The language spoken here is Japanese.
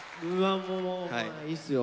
もうまあいいっすよ。